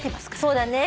そうだね。